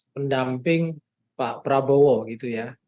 pendamping pak prabowo gitu ya